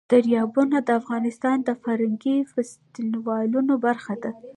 دریابونه د افغانستان د فرهنګي فستیوالونو برخه ده.